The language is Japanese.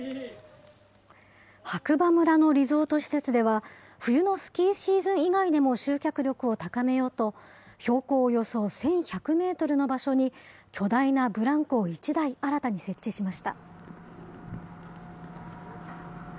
白馬村のリゾート施設では、冬のスキーシーズン以外でも集客力を高めようと、標高およそ１１００メートルの場所に、巨大なブランコを１台、新たに設置しました。